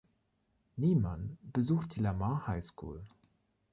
Niemann besuchte die Lamar High School.